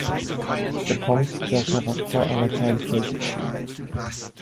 Ihr kommt der Charakter einer Teilkirche zu.